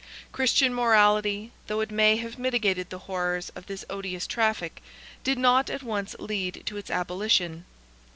Christian morality, though it may have mitigated the horrors of this odious traffic, did not at once lead to its abolition.